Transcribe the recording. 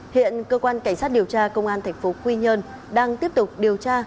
hiện cơ quan cảnh sát điều tra công an tp quy nhơn đang tiếp tục điều tra